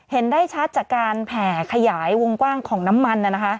เห็นได้ชัดจากการแผ่ขยายวงกว้างของน้ำมัน